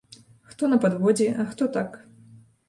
Хто на падводзе, а хто так.